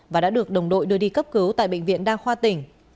và đã được đồng đội đưa đi cấp cứu tại bệnh viện đa khoa tỉnh